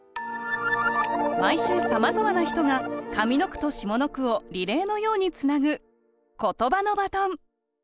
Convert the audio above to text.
毎週さまざまな人が上の句と下の句をリレーのようにつなぐ「ことばのバトン」